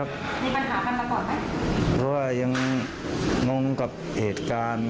เพราะว่ายังงงกับเหตุการณ์